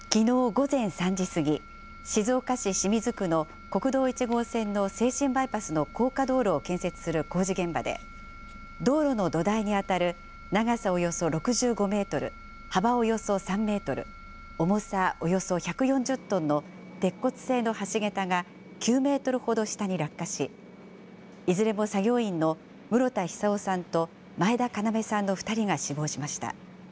午前３時過ぎ、静岡市清水区の国道１号線の静清バイパスの高架道路を建設する工事現場で、道路の土台に当たる長さおよそ６５メートル、幅およそ３メートル、重さおよそ１４０トンの鉄骨製の橋桁が９メートルほど下に落下し、いずれも作業員の室田久生さんと前田要さんの２人が死亡しました。